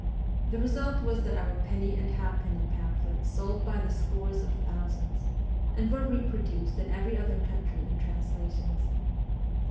The result was that our penny and halfpenny pamphlets sold by the scores of thousands, and were reproduced in every other country in transla tions.